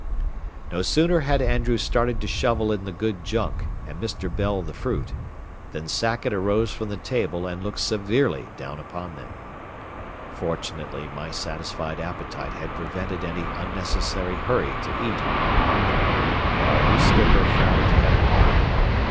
No sooner had Andrews started to shovel in the good junk, and Mr. Bell the fruit, than Sackett arose from the table and looked severely down upon them. Fortunately, my satisfied appetite had prevented any unnecessary hurry to eat on my part, for our new skipper frowned heavily.